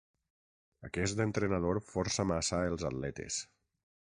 Aquest entrenador força massa els atletes.